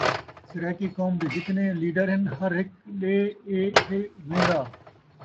سرائیکی قوم دے جتنے لیڈر ہن ہر ہک ڈے اے ہے ویندا